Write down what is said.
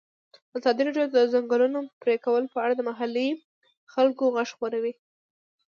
ازادي راډیو د د ځنګلونو پرېکول په اړه د محلي خلکو غږ خپور کړی.